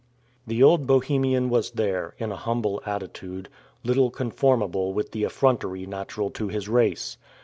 The old Bohemian was there, in a humble attitude, little conformable with the effrontery natural to his race.